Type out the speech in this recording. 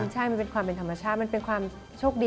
ใช่มันเป็นความเป็นธรรมชาติมันเป็นความโชคดี